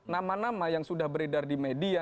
nama nama yang sudah beredar di media